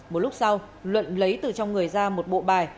một lúc sau luận lấy từ trong người ra một bộ bài